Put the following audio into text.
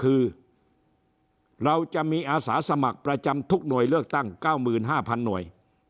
คือเราจะมีอาสาสมัครประจำทุกหน่วยเลือกตั้ง๙๕๐๐หน่วย